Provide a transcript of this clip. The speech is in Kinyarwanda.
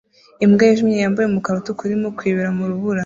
Imbwa yijimye yambaye umukara utukura irimo kwibira mu rubura